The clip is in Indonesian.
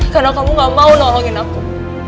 karena kamu gak mau nolongin aku